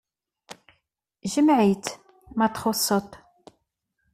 Jmeɛ-it, ma teɣsed-t.